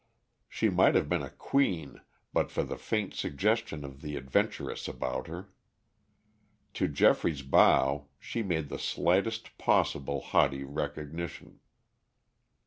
She might have been a queen, but for the faint suggestion of the adventuress about her. To Geoffrey's bow she made the slightest possible haughty recognition.